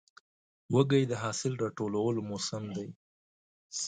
وږی د حاصل راټولو موسم دی.